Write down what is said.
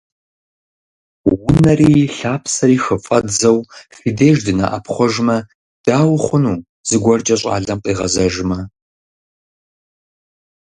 Унэри лъапсэри хыфӀэддзэу, фи деж дынэӀэпхъуэжмэ, дауэ хъуну зыгуэркӀэ щӀалэм къигъэзэжмэ?